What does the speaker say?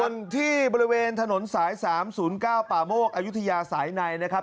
ส่วนที่บริเวณถนนสาย๓๐๙ป่าโมกอายุทยาสายในนะครับ